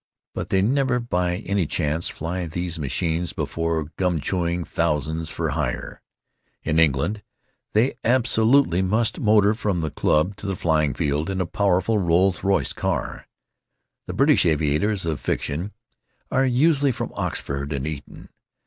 But they never by any chance fly these machines before gum chewing thousands for hire. In England they absolutely must motor from The Club to the flying field in a "powerful Rolls Royce car." The British aviators of fiction are usually from Oxford and Eton.